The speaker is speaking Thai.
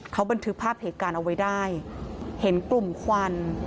เขาบันทึกภาพเหตุการณ์เอาไว้ได้เห็นกลุ่มควัน